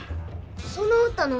その歌何？